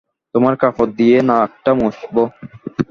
তোমার কাপড় দিয়ে নাকটা মুছব।